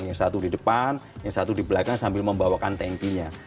yang satu di depan yang satu di belakang sambil membawakan tankinya